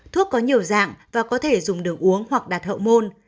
thuốc có nhiều dạng và có thể dùng đường uống hoặc đạt hậu môn